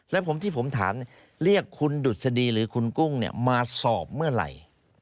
แล้วผมที่ผมถามเรียกคุณดุษฎีหรือคุณกุ้งมาสอบเมื่อไหร่